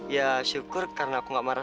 ya syukur karena aku gak marah